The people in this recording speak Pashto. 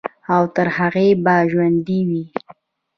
او تر هغې به ژوندے وي،